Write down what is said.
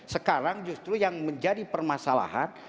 sekarang justru yang menjadi permasalahan